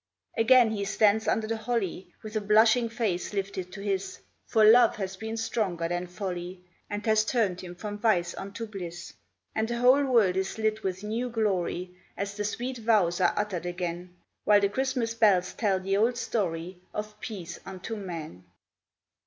Again he stands under the holly With a blushing face lifted to his For love has been stronger than folly, And has turned him from vice unto bliss; And the whole world is lit with new glory As the sweet vows are uttered again, While the Christmas bells tell the old story Of peace unto men.